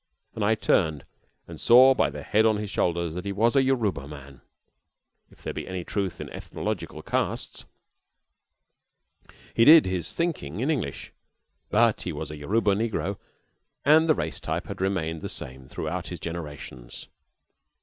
And I turned and saw by the head upon his shoulders that he was a Yoruba man, if there be any truth in ethnological castes. He did his thinking in English, but he was a Yoruba negro, and the race type had remained the same throughout his generations.